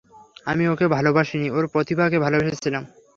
আমি ওকে ভালোবাসিনি, ওর প্রতিভাকে ভালোবেসেছিলাম।